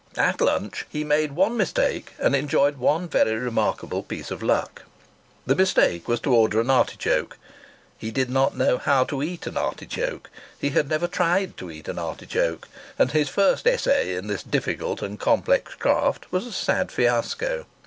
At lunch he made one mistake and enjoyed one very remarkable piece of luck. The mistake was to order an artichoke. He did not know how to eat an artichoke. He had never tried to eat an artichoke, and his first essay in this difficult and complex craft was a sad fiasco.